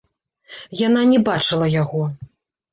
Яна не бачыла яго.